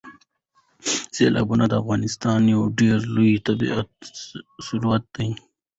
سیلابونه د افغانستان یو ډېر لوی طبعي ثروت دی.